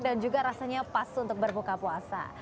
dan juga rasanya pas untuk berbuka puasa